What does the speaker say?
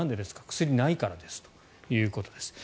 薬ないからですということです。